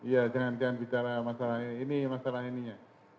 ya jangan jangan bicara masalah ini masalah ininya